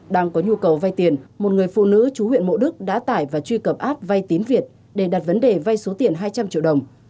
đang có nhu cầu vay tiền một người phụ nữ chú huyện mộ đức đã tải và truy cập app vay tín việt để đặt vấn đề vay số tiền hai trăm linh triệu đồng